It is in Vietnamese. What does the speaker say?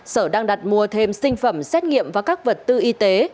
sở đang đặt mua thêm sinh phẩm xét nghiệm và các vật tư y tế